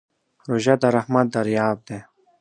روژه د رحمت دریاب دی.